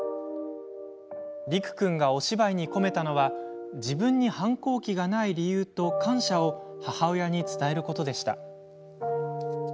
りく君が、お芝居に込めたのは自分に反抗期がない理由と感謝を母親に伝えることでした。